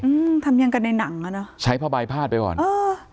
อืมทำยังไงกันในหนังอ่ะเนอะใช้ผ้าใบพาดไปก่อนเออ